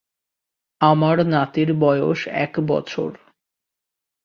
আমার নাতির বয়স এক বছর।